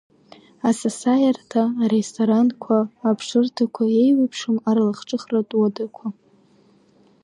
Асасааирҭа, аресторанқәа, аԥшырҭақәа, еиуеиԥшым арлахҿыхратә уадақәа.